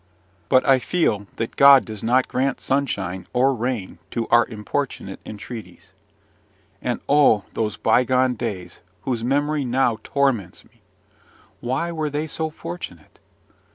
But I feel that God does not grant sunshine or rain to our importunate entreaties. And oh, those bygone days, whose memory now torments me! why were they so fortunate?